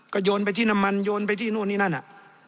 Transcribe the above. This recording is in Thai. ก็โยนไปที่น้ำมันโยนไปที่นู่นนี่นั่นอ่ะ